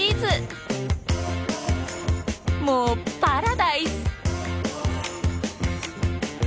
もうパラダイス！